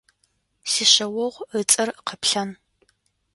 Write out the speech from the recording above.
Сишъэогъу ыцӏэр Къэплъан.